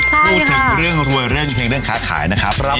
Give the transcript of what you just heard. พูดถึงเรื่องรวยเรื่องเพลงเรื่องค้าขายนะครับ